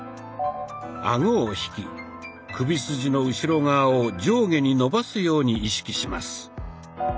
アゴを引き首筋の後ろ側を上下に伸ばすように意識します。